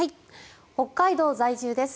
北海道在住です。